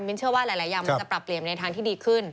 เชื่อว่าหลายอย่างมันจะปรับเปลี่ยนในทางที่ดีขึ้น